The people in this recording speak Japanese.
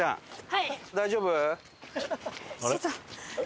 はい。